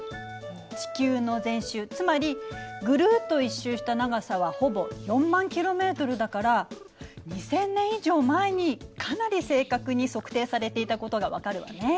地球の全周つまりぐるっと１周した長さはほぼ４０，０００ｋｍだから２，０００年以上前にかなり正確に測定されていたことがわかるわね。